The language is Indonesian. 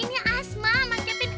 ini asma mas kevin